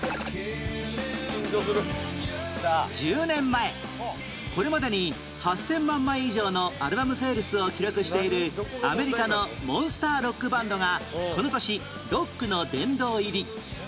１０年前これまでに８０００万枚以上のアルバムセールスを記録しているアメリカのモンスターロックバンドがこの年ロックの殿堂入り